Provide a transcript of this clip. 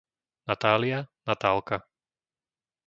Natália, Natálka